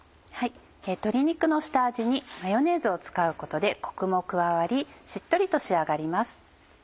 鶏肉の下味にマヨネーズを使うことでコクも加わりしっとりと仕上がります。